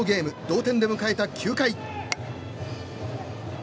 同点で迎えた９回。